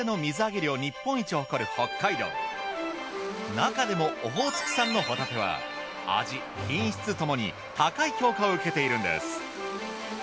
なかでもオホーツク産のほたては味・品質ともに高い評価を受けているんです。